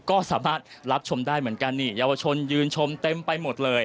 ก็สามารถรับชมได้เหมือนกันนี่เยาวชนยืนชมเต็มไปหมดเลย